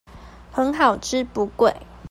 很好吃不貴